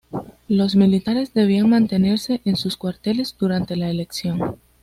Los militares debían mantenerse en sus cuarteles durante la elección.